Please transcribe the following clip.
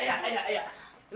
ayah ayah ayah